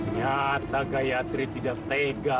nyata gayatri tidak tega